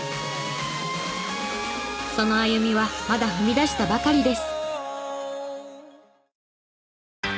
その歩みはまだ踏み出したばかりです。